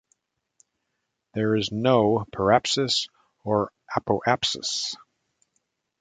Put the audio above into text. There is no periapsis or apoapsis.